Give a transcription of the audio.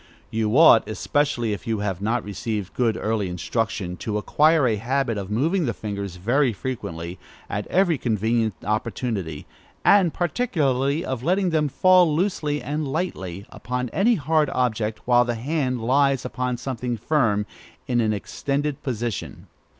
You ought, especially if you have not received good early instruction, to acquire a habit of moving the fingers very frequently, at every convenient opportunity; and particularly of letting them fall loosely and lightly upon any hard object, while the hand lies upon something firm, in an extended position.